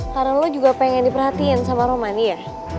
karena lo juga pengen diperhatiin sama roman iya